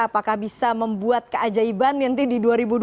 apakah bisa membuat keajaiban nanti di dua ribu dua puluh